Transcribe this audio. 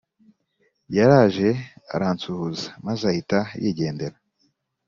Yaraje aransuhuza maze ahita yigendera